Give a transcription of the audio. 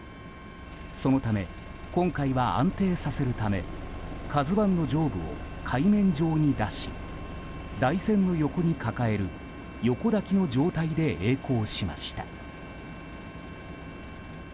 そのため、今回は安定させるため「ＫＡＺＵ１」の上部を海面上に出し台船の横に抱える横抱きの状態で曳航しました。